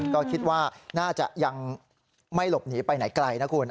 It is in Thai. ก็คิดว่าน่าจะยังไม่หลบหนีไปไหนไกลนะคุณ